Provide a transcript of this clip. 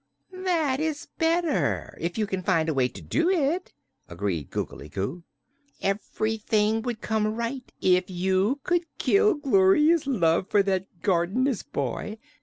"That is better, if you can find a way to do it," agreed Googly Goo. "Everything would come right if you could kill Gloria's love for that gardener's boy.